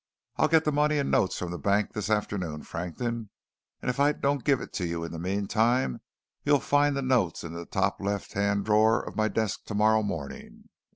'I'll get the money in notes from the bank this afternoon, Frankton, and if I don't give it to you in the meantime, you'll find the notes in the top left hand drawer of my desk tomorrow morning.'